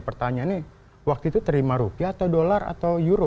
pertanyaannya waktu itu terima rupiah atau dolar atau euro